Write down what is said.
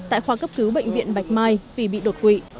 tại khoa cấp cứu bệnh viện bạch mai vì bị đột quỵ